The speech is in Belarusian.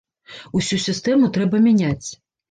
Усю сістэму трэба мяняць.